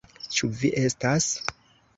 Ĉu vi estas?